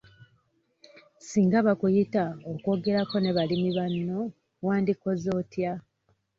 Singa bakuyita okwogerako ne balimi banno wandikoze otya?